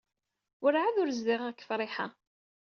Werɛad ur zdiɣeɣ deg Friḥa.